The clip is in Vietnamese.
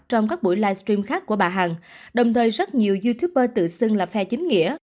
trong các buổi livestream khác của bà hằng đồng thời rất nhiều youtuber tự xưng là phe chính nghĩa